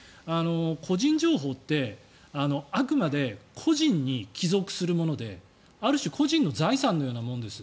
個人情報ってあくまで個人に帰属するものである種個人の財産のようなものです。